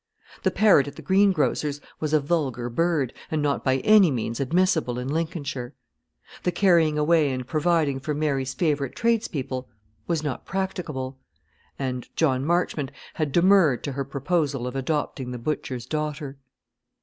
The parrot at the greengrocer's was a vulgar bird, and not by any means admissible in Lincolnshire. The carrying away and providing for Mary's favourite tradespeople was not practicable; and John Marchmont had demurred to her proposal of adopting the butcher's daughter.